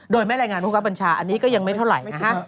โดยไม่รายงานผู้คับบัญชาอันนี้ก็ยังไม่เท่าไหร่นะฮะ